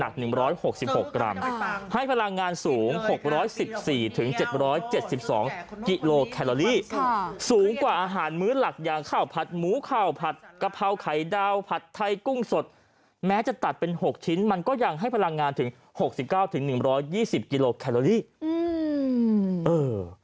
ก็ยังให้พลังงานถึงหกสิบเก้าถึงหนึ่งร้อยยี่สิบกิโลแคลอรี่อืมเออ